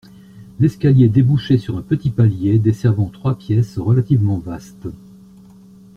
L’escalier débouchait sur un petit palier desservant trois pièces relativement vastes.